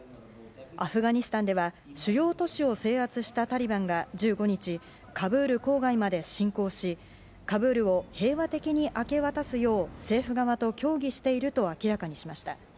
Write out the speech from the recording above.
アフガニスタンでは主要都市を制圧したタリバンが１５日カブール郊外まで進攻しカブールを平和的に明け渡すよう政府側と協議していると明らかにしました。